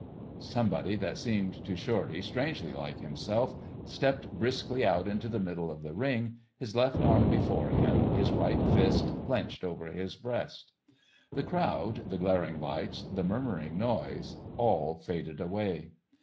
Somebody, that seemed to Shorty strangely like himself, stepped briskly out into the middle of the ring, his left arm before him, his right fist clinched over his breast. The crowd, the glaring lights, the murmuring noise, all faded away.